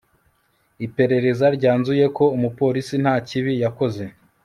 iperereza ryanzuye ko umupolisi nta kibi yakoze